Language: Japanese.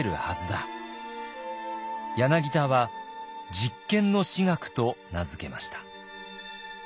柳田は「実験の史学」と名付けました。